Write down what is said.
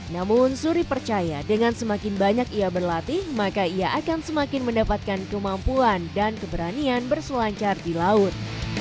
namun suri percaya dengan semakin banyak ia berlatih maka ia akan semakin mendapatkan kemampuan dan keberanian berselancar di laut